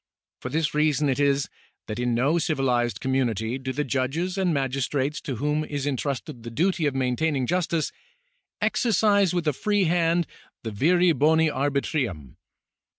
For this reason it is, that in no civilised community do the judges and magistrates to whom is entrusted the duty of maintaining justice, exer cise with a free hand the viri boni arbitrium.